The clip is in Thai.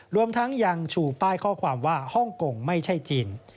รวมทั้งยังชูป้ายข้อความว่าฮ่องกงไม่ใช่จีน